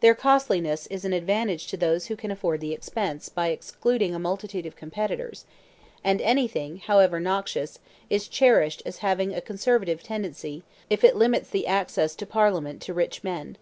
Their costliness is an advantage to those who can afford the expense by excluding a multitude of competitors; and anything, however noxious, is cherished as having a conservative tendency if it limits the access to Parliament to rich men.